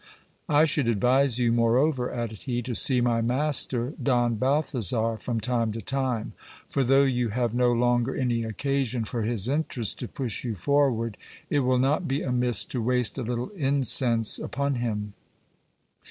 I should advise you, moreover, added he, to see my master, Don Balthasar, from time to time ; for though you have no longer any occasion for his interest to push you forward, it will not be amiss to waste a little incense upon him.